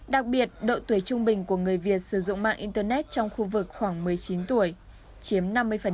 đặc biệt độ tuổi trung bình của người việt sử dụng mạng internet trong khu vực khoảng một mươi chín tuổi chiếm năm mươi